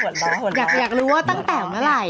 อยากรู้ว่าตั้งแต่เมื่อไหร่